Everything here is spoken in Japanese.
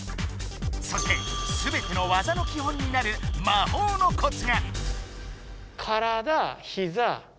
そしてすべての技の基本になる「魔法のコツ」が。